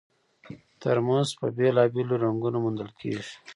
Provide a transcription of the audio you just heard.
ترموز په بېلابېلو رنګونو موندل کېږي.